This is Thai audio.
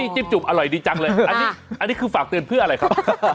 จิ้มจุ่มอร่อยดีจังเลยอันนี้คือฝากเตือนเพื่ออะไรครับ